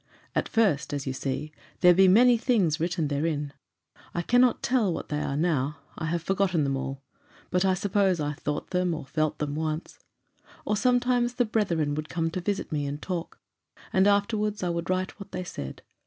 "At first, as you see, there be many things written therein. I cannot tell what they are now; I have forgotten them all; but I suppose I thought them, or felt them once. Or sometimes the brethren would come to visit me, and talk, and afterwards I would write what they said.